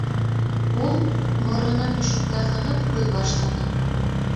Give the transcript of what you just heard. Ул, моронон түшәмгә һоноп һүҙ башланы.